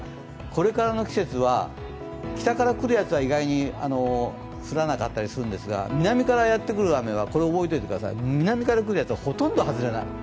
これからの季節は北から来るやつは意外に降らなかったりするんですが、南からやってくる雨は、これ覚えておいてください、ほとんど外れない。